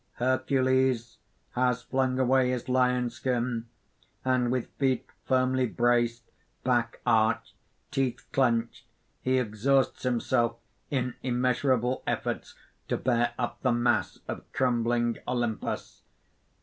_) HERCULES (_has flung away his lion skin; and with feet firmly braced, back arched, teeth clenched, he exhausts himself in immeasurable efforts to bear up the mass of crumbling Olympus.